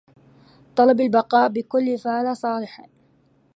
طلب البقاء بكل فأل صالح